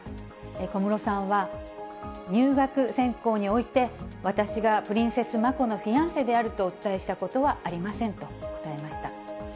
小室さんは、入学選考において、私が、プリンセス・マコのフィアンセであるとお伝えしたことはありませんと答えました。